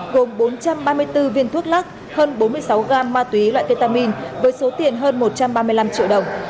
tổng số ma túy sơn bán cho như gồm bốn trăm ba mươi bốn viên thuốc lắc hơn bốn mươi sáu gram ma túy loại ketamin với số tiền hơn một trăm ba mươi năm triệu đồng